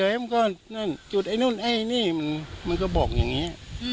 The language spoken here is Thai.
พูดมันก็ไม่ฟังมันก็เฉยมันก็นั่นจุดไอ้นู่นไอ้นี่มันก็บอกอย่างงี้